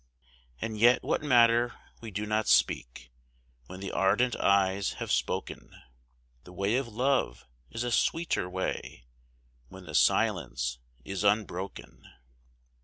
And yet what matter we do not speak, when the ardent eyes have spoken, The way of love is a sweeter way, when the silence is unbroken.